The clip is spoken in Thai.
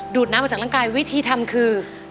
ดน้ำออกจากร่างกายวิธีทำคือ